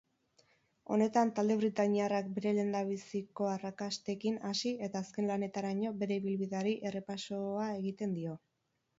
Honetan talde britainiarrak bere lehendabizikoarrakastekin hasi eta azken lanetaraino bere ibilbideari errepasoaegiten dio.